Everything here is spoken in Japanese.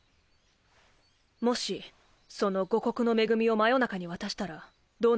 もしその五穀の恵みを魔夜中に渡したらどうなる？